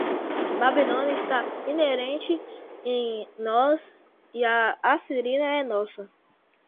Babilônia está inerente em nós e a Assíria é nossa